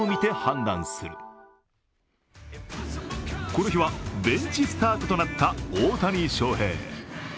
この日はベンチスタートとなった大谷翔平。